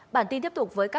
bản tin tiếp tục với các bạn